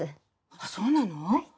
あっそうなの？